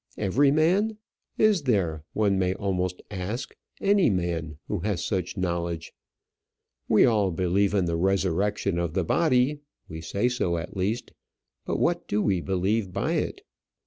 Every man! Is there, one may almost ask, any man who has such knowledge? We all believe in the resurrection of the body; we say so at least, but what do we believe by it?